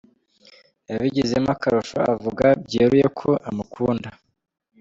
yabigize akarusho avuga byeruye ko ‘amukunda’.